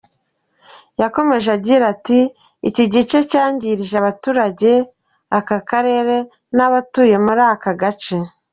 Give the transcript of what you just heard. Yakomeje agira ati "Iki gice cyangirije abatuye aka karere n’abatuye muri aka gace.